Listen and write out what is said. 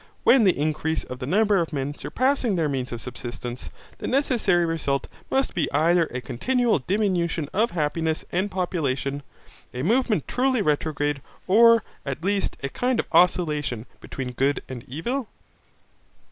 When the increase of the number of men surpassing their means of subsistence, the necessary result must be either a continual diminution of happiness and population, a movement truly retrograde, or, at least, a kind of oscillation between good and evil?